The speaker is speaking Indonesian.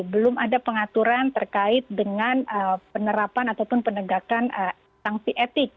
belum ada pengaturan terkait dengan penerapan ataupun penegakan sanksi etik